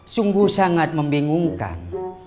sungguh sangat membingungkan